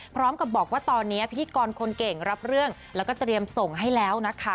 พร้อมกับบอกว่าตอนนี้พิธีกรคนเก่งรับเรื่องแล้วก็เตรียมส่งให้แล้วนะคะ